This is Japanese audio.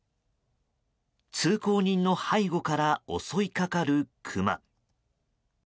通行人の背後から襲いかかるクマ。